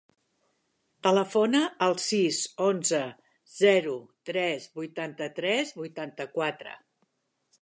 Telefona al sis, onze, zero, tres, vuitanta-tres, vuitanta-quatre.